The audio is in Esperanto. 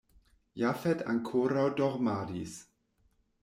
Jafet ankoraŭ dormadis.